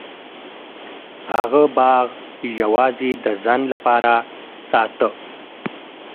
هغه باغ یوازې د ځان لپاره ساته.